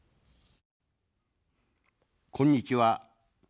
こんにちは。